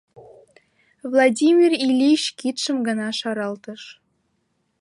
Владимир Ильич кидшым гына шаралтыш.